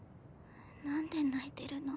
何で泣いてるの？